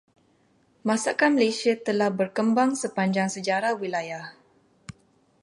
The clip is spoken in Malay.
Masakan Malaysia telah berkembang sepanjang sejarah wilayah.